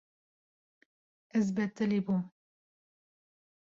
Ez betilî bûm.